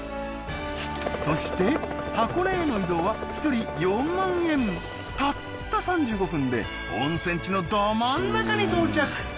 そして箱根への移動は１人４万円たった３５分で温泉地のど真ん中に到着